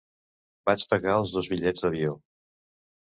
Vaig pagar els dos bitllets d'avió.